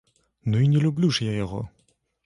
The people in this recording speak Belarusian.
Ну і не люблю ж я яго!